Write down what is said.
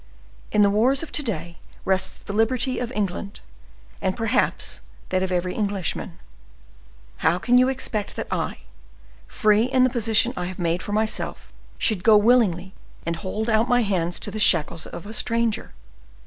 In the war of to day rests the liberty of England, and, perhaps, that of every Englishman. How can you expect that I, free in the position I have made for myself, should go willingly and hold out my hands to the shackles of a stranger?